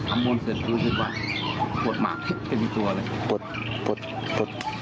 อันบนเสร็จรู้สึกว่าปวดหมาเป็นตัวเลยปวดปวดปวด